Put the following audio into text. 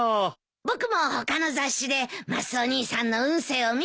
僕も他の雑誌でマスオ兄さんの運勢を見てみたんだ。